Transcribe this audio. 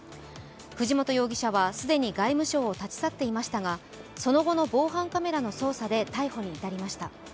藤本容疑者は既に外務省を立ち去っていましたがその後の防犯カメラの捜査で逮捕に至りました。